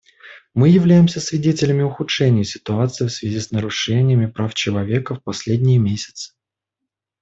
Мы являемся свидетелями ухудшения ситуации в связи с нарушениями прав человека в последние месяцы.